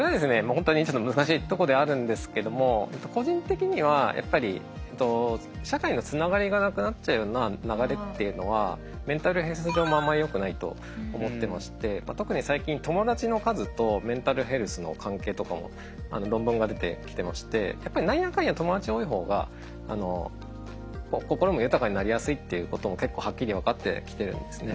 本当にちょっと難しいとこではあるんですけども個人的にはやっぱり社会のつながりがなくなっちゃうような流れっていうのはメンタルヘルス上もあんまりよくないと思ってまして特に最近友達の数とメンタルヘルスの関係とかも論文が出てきてましてやっぱり何やかんや友達多い方が心も豊かになりやすいっていうことも結構はっきり分かってきてるんですね。